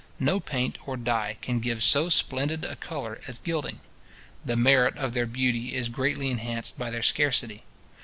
No paint or dye can give so splendid a colour as gilding. The merit of their beauty is greatly enhanced by their scarcity.